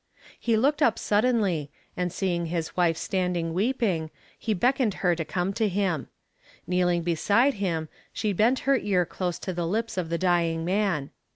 He looked up suddenly, and seeing his wife standing weeping, he beckoned her to come to him. Kneeling beside him, she bent her ear close to the lips of the dying man.